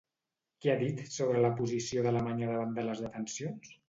Què ha dit sobre la posició d'Alemanya davant de les detencions?